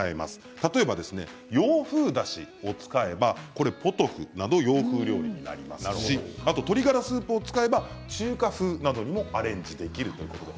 例えば、洋風だしを使えばポトフなど洋風料理になりますし鶏ガラスープを使えば中華風などにもアレンジできるということです。